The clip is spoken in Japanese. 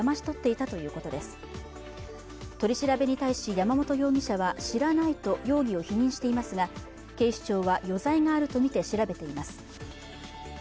取り調べに対し山本容疑者は知らないと容疑を否認していますが警視庁は余罪があるとみて調べています。